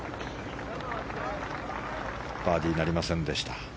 バーディーなりませんでした。